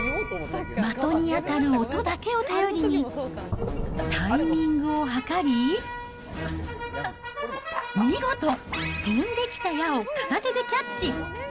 的に当たる音だけを頼りに、タイミングをはかり、見事、飛んできた矢を片手でキャッチ。